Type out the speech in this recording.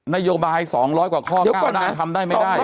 นโยบาย๒๐๐กว่าข้อ๙ด้านทำได้ไม่ได้